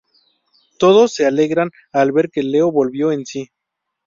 Todos se alegran al ver que Leo volvió en sí.